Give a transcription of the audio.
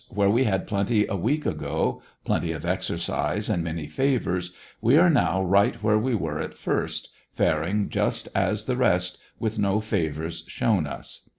Where we had plenty a week ago, plenty of exercise, and many favors, we are now right where we were at first, farcing just as the rest, with no favors shown us.